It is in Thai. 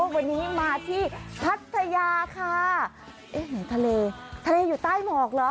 วันนี้มาที่พัทยาค่ะเอ๊ะทะเลทะเลอยู่ใต้หมอกเหรอ